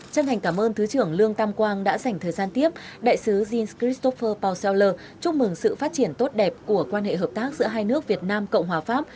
chân thành cảm ơn thứ trưởng lương tam quang đã dành thời gian tiếp đại sứ jens skristopher poucheller chúc mừng sự phát triển tốt đẹp của quan hệ hợp tác giữa hai nước việt nam cộng hòa pháp